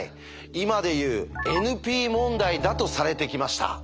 今で言うＮＰ問題だとされてきました。